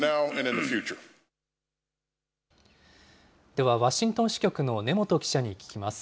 では、ワシントン支局の根本記者に聞きます。